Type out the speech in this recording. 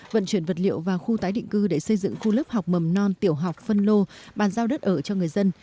vận chuyển vật liệu vào khu tái định cư để xây dựng khu lớp học mầm non tiểu học phân lô bàn giao đất ở cho người dân